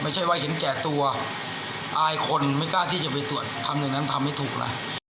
ไม่ใช่ว่าเห็นแก่ตัวอายคนไม่กล้าที่จะไปตรวจทำอย่างนั้นทำไม่ถูกล่ะ